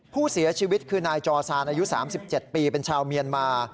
ผู้เสียชีวิตคือนายจอซานอายุ๓๗ปีเป็นชาวเมียนมา